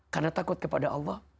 karena takut kepada allah